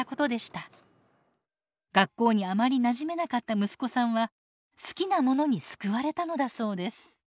学校にあまりなじめなかった息子さんは好きなものに救われたのだそうです。